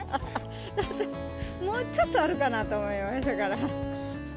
もうちょっとあるかなと思いましたから。